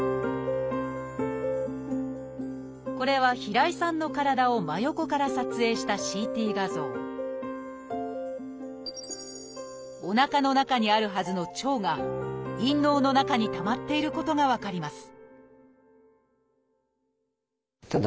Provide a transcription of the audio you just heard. これは平井さんの体を真横から撮影したＣＴ画像おなかの中にあるはずの腸が陰嚢の中にたまっていることが分かります